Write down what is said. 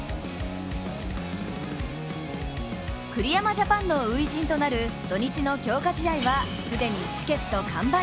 栗山ジャパンの初陣となる土日の強化試合は既にチケット完売。